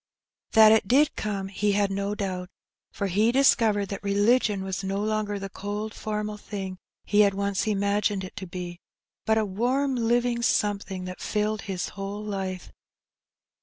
That it did come he had no doubt, for he discovered that religion was no longer the cold formal thing he had once imagined it to be, but a warm living something that filled his whole life.